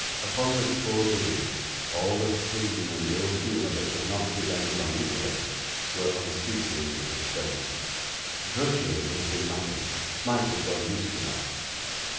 Upon this poor being, all the spleen and ill humour that could not be vented on Nicholas were unceasingly bestowed. Drudgery would have been nothing Smike was well used to that.